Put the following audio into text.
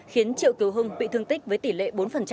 khiến triệu kiều hưng bị thương tích với tỷ lệ bốn